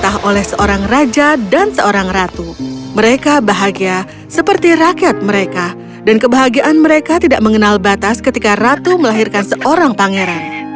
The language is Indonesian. kejadian mereka tidak mengenal batas ketika ratu melahirkan seorang pangeran